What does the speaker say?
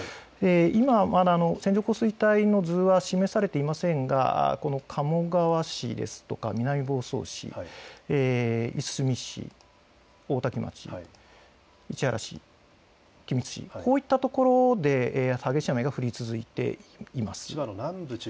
今、線状降水帯の図は示されていませんが鴨川市ですとか南房総市、いすみ市、大多喜町、市原市、君津市、こういったところで激しい雨が降り続いています。